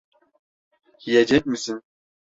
Yiyecek misin?